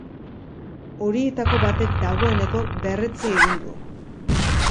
Horietako batek dagoeneko, berretsi egin du.